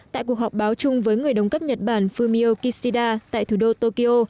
tại cuộc họp báo chung với người đồng cấp nhật bản fumio kishida tại thủ đô tokyo